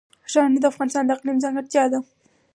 ښارونه د افغانستان د اقلیم ځانګړتیا ده.